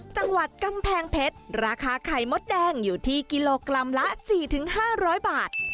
จังหวัดกำแพงเพชรราคาไข่มดแดงอยู่ที่กิโลกรัมละ๔๕๐๐บาท